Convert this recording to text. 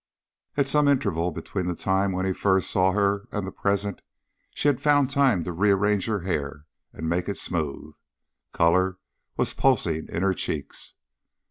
At some interval between the time when he first saw her and the present, she had found time to rearrange her hair and make it smooth. Color was pulsing in her cheeks.